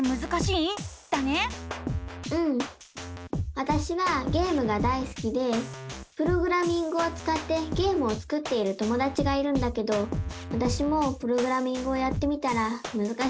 わたしはゲームがだいすきでプログラミングをつかってゲームを作っている友だちがいるんだけどわたしもプログラミングをやってみたらむずかしくて。